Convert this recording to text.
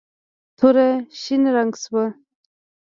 توره شین رنګ شوه.